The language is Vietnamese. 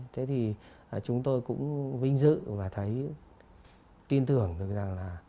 thế thì chúng tôi cũng vinh dự và thấy tin tưởng được rằng là